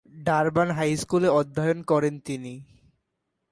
Durban হাইস্কুলে অধ্যয়ন করেন তিনি।